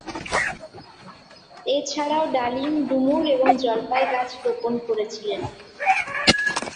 এ ছাড়াও ডালিম, ডুমুর এবং জলপাই গাছ রোপণ করেছিলেন।